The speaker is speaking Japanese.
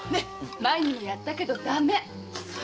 前にもやったけどダメ！